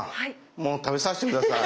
もう食べさせて下さい。